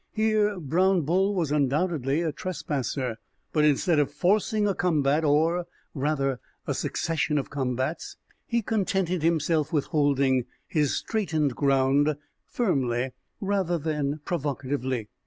Here Brown Bull was undoubtedly a trespasser. But instead of forcing a combat or, rather, a succession of combats, he contented himself with holding his straitened ground firmly rather than provocatively.